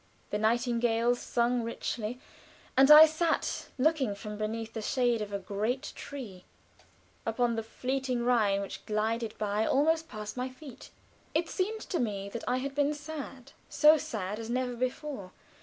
The nightingales sung richly, and I sat looking, from beneath the shade of a great tree, upon the fleeting Rhine, which glided by almost past my feet. It seemed to me that I had been sad so sad as never before.